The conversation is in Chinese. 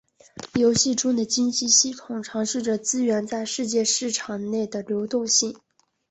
游戏中的经济系统尝试着资源在世界市场内的流动性。